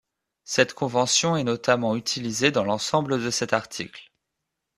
Cette convention est notamment utilisé dans l'ensemble de cet article.